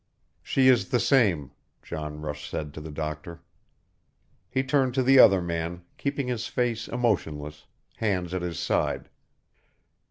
"She is the same," John Rush said to the doctor. He turned to the other man, keeping his face emotionless, hands at his side.